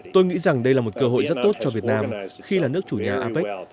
tôi nghĩ rằng đây là một cơ hội rất tốt cho việt nam khi là nước chủ nhà apec